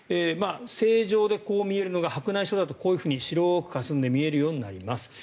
正常でこう見えるのが白内障だと白くかすんで見えるようになります。